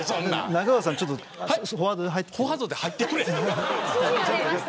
中川さん、ちょっとフォワードで入ってください。